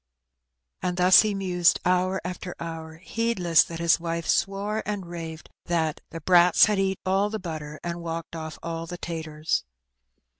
And thus he mused hour after hour, heedless that his wifa swore and raved that "the brats had eat all the butter, and. walked ofiF all the taturs."